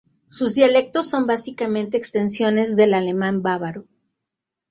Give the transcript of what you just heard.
Sus dialectos son básicamente extensiones del alemán bávaro.